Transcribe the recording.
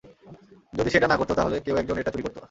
যদি সে এটা না করত, তাহলে কেউ একজন এটা চুরি করত।